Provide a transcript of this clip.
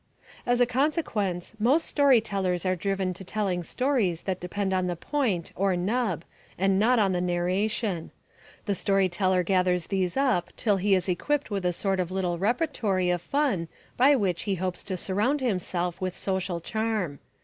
As a consequence most story tellers are driven to telling stories that depend on the point or "nub" and not on the narration. The storyteller gathers these up till he is equipped with a sort of little repertory of fun by which he hopes to surround himself with social charm.